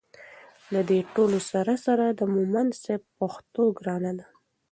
له دې ټولو سره سره د مومند صیب د پښتو ګرانه ده